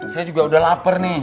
saya juga udah lapar nih